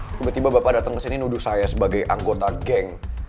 tiba tiba bapak datang ke sini nuduh saya sebagai anggota geng